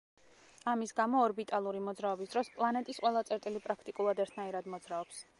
ამის გამო ორბიტალური მოძრაობის დროს პლანეტის ყველა წერტილი პრაქტიკულად ერთნაირად მოძრაობს.